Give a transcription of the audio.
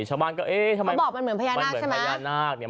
ชาวบ้านก็เอ๊ะเขาบอกว่ามันเหมือนพญานาคใช่ไหม